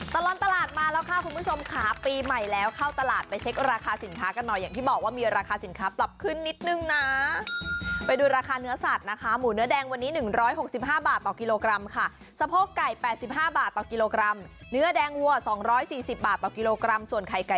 ตลอดตลาดมาแล้วค่ะคุณผู้ชมค่ะปีใหม่แล้วเข้าตลาดไปเช็คราคาสินค้ากันหน่อยอย่างที่บอกว่ามีราคาสินค้าปรับขึ้นนิดนึงนะไปดูราคาเนื้อสัตว์นะคะหมูเนื้อแดงวันนี้๑๖๕บาทต่อกิโลกรัมค่ะสะโพกไก่๘๕บาทต่อกิโลกรัมเนื้อแดงวัว๒๔๐บาทต่อกิโลกรัมส่วนไข่ไก่